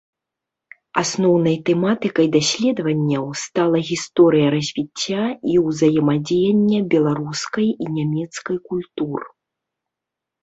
Асноўнай тэматыкай даследаванняў стала гісторыя развіцця і ўзаемадзеяння беларускай і нямецкай культур.